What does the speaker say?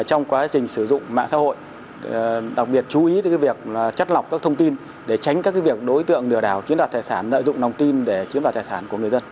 trong quá trình sử dụng mạng xã hội đặc biệt chú ý việc chắt lọc các thông tin để tránh các việc đối tượng lừa đào chiến đoạt thải sản nợ dụng nông tin để chiếm đoạt thải sản của người dân